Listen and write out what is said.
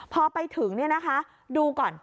พอไปถึงเนี่ยนะคะดูก่อน